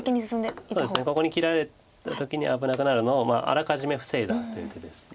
ここに切られた時に危なくなるのをあらかじめ防いだという手ですので。